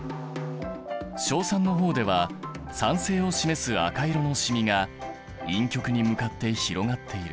硝酸の方では酸性を示す赤色の染みが陰極に向かって広がっている。